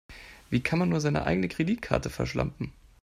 Wie kann man nur seine eigene Kreditkarte verschlampen?